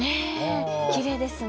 きれいですね。